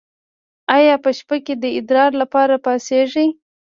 ایا په شپه کې د ادرار لپاره پاڅیږئ؟